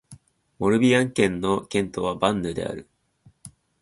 モルビアン県の県都はヴァンヌである